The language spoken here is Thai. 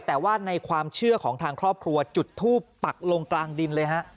แต่ว่าในความเชื่อของทางครอบครัวจุดทูปปักลงกลางดินเลยฮะ